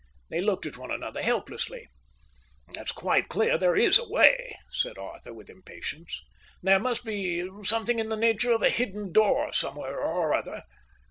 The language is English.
They looked at one another helplessly. "It's quite clear there is a way," said Arthur, with impatience. "There must be something in the nature of a hidden door somewhere or other."